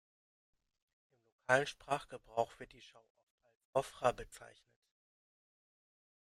Im lokalen Sprachgebrauch wird die Schau oft als „Ofra“ bezeichnet.